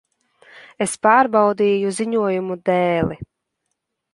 Es pārbaudīju ziņojumu dēli.